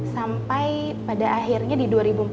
sampai pada akhirnya di dua ribu empat belas